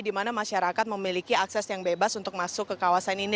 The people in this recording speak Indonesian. di mana masyarakat memiliki akses yang bebas untuk masuk ke kawasan ini